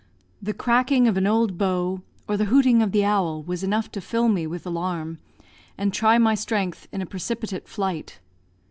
The cracking of an old bough, or the hooting of the owl, was enough to fill me with alarm, and try my strength in a precipitate flight.